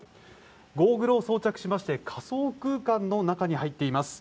ゴーグルを装着しまして仮想空間の中に入っています。